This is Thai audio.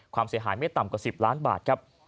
ความเสียหายไม่ต่ำกว่า๑๐ล้านบาทครับ